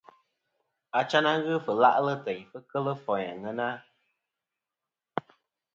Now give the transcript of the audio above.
Achayn a ghɨ fɨ la'lɨ teyn fɨ kel foyn àŋena.